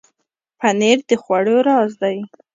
پنېر د خوړو راز دی.